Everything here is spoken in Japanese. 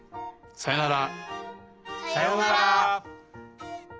さようなら。